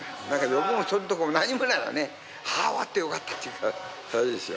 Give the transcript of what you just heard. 欲も損得も何もないわねはあ終わってよかったっていうか感じですよ